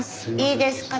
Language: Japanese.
いいですか？